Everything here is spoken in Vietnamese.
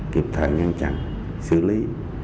kịp thời ngăn chặn xử lý